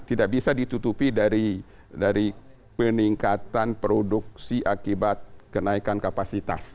tidak bisa ditutupi dari peningkatan produksi akibat kenaikan kapasitas